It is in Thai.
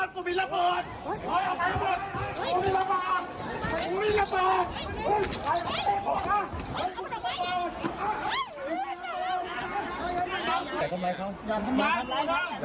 กูไม่ได้ทำกูแค่กอดคอ